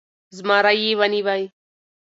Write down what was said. زمری يې و نيوی .